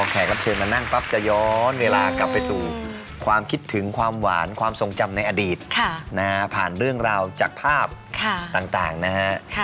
แขกรับเชิญมานั่งปั๊บจะย้อนเวลากลับไปสู่ความคิดถึงความหวานความทรงจำในอดีตผ่านเรื่องราวจากภาพต่างนะฮะ